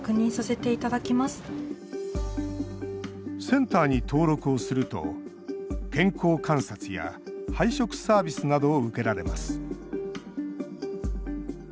センターに登録をすると健康観察や配食サービスなどを受けられます。